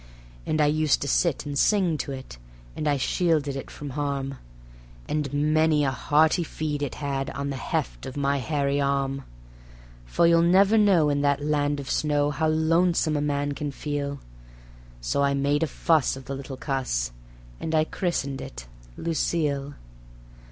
And I used to sit and sing to it, and I shielded it from harm, And many a hearty feed it had on the heft of my hairy arm. For you'll never know in that land of snow how lonesome a man can feel; So I made a fuss of the little cuss, and I christened it "Lucille".